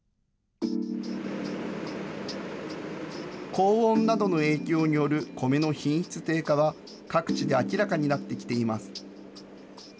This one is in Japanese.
高温などの影響によるコメの品質低下は各地で明らかになってきています。